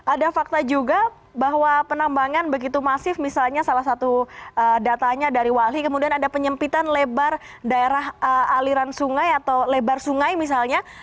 ada fakta juga bahwa penambangan begitu masif misalnya salah satu datanya dari wali kemudian ada penyempitan lebar daerah aliran sungai atau lebar sungai misalnya